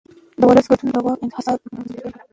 د ولس ګډون د واک انحصار کمزوری کوي